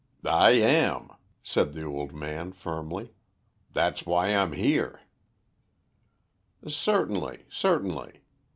"I am," said the old man firmly. "That's why I'm here." "Certainly, certainly.